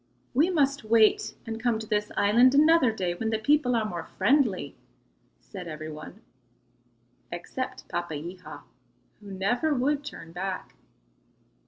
"We must wait and come to this island another day when the people are more friendly," said every one except Papeiha, who never would turn back.